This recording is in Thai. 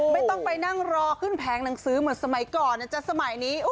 ไม่ต้องไปนั่งรอขึ้นแผงหนังสือเหมือนสมัยก่อนนะจ๊ะสมัยนี้